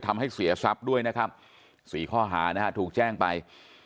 ทำให้เสียทรัพย์ด้วยนะครับ๔ข้อหานะฮะถูกแจ้งไป